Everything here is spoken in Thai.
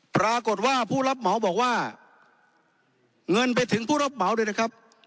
ปรากฏว่าผู้รับเหมาบอกว่าเงินไปถึงผู้รับเหมาด้วยนะครับ